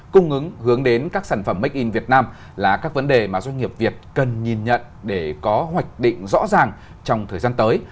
cung ứng hướng đến các sản phẩm make in việt nam là các vấn đề mà doanh nghiệp việt cần nhìn nhận để có hoạch định rõ ràng trong thời gian tới